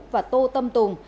và tô tâm tùng